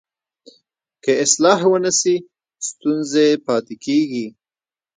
که اصلاح ونه سي ستونزې پاتې کېږي.